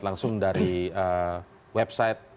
langsung dari website